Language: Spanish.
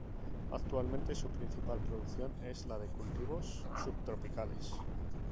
Actualmente su principal producción es la de cultivos subtropicales.